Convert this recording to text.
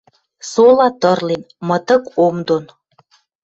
Сола тырлен, мытык ом дон